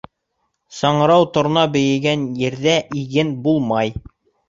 Сыңрау торна бейегән ерҙә иген булмай.